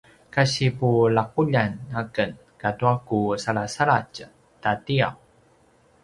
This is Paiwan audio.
kasi pulaquljan aken katua ku salasaladj ta tiyav